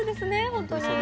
本当に。